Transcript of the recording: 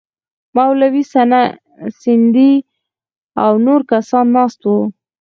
مولوي سندی او نور کسان ناست وو.